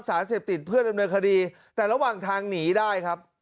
สารเสพติดเพื่อดำเนินคดีแต่ระหว่างทางหนีได้ครับ